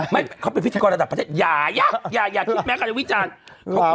ไม่เขาเป็นพิธีกรระดับประเทศยายะยากินมั๊ยคุณวิจารณ์